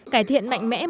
cải thiện mạnh mẽ mức